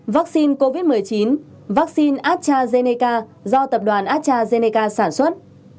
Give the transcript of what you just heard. vaccine covid một mươi chín vaccine astrazeneca do tập đoàn astrazeneca sản xuất